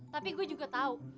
tapi gue juga tau